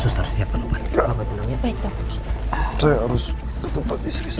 saya harus ke tempat istri saya